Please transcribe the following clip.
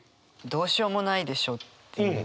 「どうしようもないでしょ」っていう。